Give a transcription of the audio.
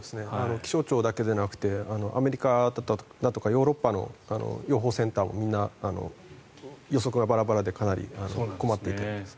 気象庁だけでなくてアメリカだとかヨーロッパの予報センターもみんな予測がバラバラでかなり困っていたようです。